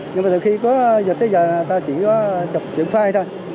nhưng mà từ khi có dịch tới giờ thì ta chỉ có chụp những file thôi